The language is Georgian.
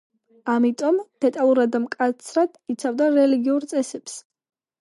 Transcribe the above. ამიტომ, დეტალურად და მკაცრად იცავდა რელიგიურ წესებს.